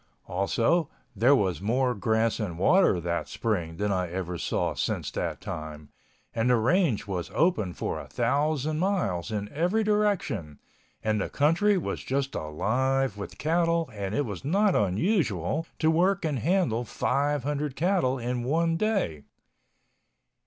Also there was more grass and water that spring than I ever saw since that time and the range was open for a thousand miles in every direction and the country was just alive with cattle and it was not unusual to work and handle 5,000 cattle in one day.